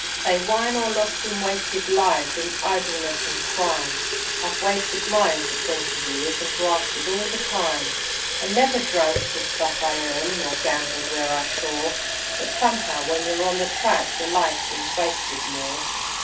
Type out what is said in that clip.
_ They whine o' lost an' wasted lives in idleness and crime I've wasted mine for twenty years, and grafted all the time And never drunk the stuff I earned, nor gambled when I shore But somehow when yer on the track yer life seems wasted more.